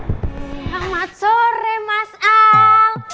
selamat sore mas al